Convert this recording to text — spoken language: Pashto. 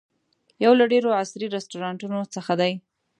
یو له ډېرو عصري رسټورانټونو څخه دی.